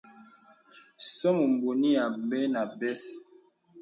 Nsòm o bɔ̄ŋi abɛ nə̀ bès.